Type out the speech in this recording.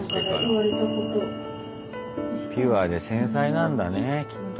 ピュアで繊細なんだねえきっと。